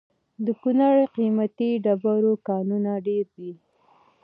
د کونړ د قیمتي ډبرو کانونه ډیر دي؟